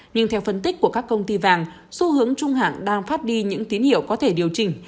nhưng theo phân tích của các công ty vàng xu hướng trung hạn đang phát đi những tín hiệu có thể điều chỉnh